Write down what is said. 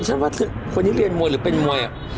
ฉันว่าคนที่เรียนมวยหรือเป็นมวย